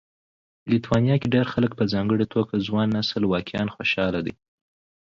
لیتوانیا کې ډېر خلک په ځانګړي توګه ځوان نسل واقعا خوشاله دي